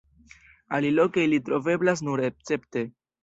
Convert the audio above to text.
Aliloke ili troveblas nur escepte.